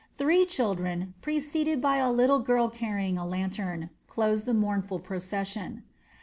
Three children, preceded by a little girl carrying a lantern, closed the mournful procession.